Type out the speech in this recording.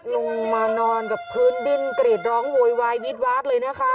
ลงมานอนกับพื้นดิ้นกรีดร้องโวยวายวิดวาดเลยนะคะ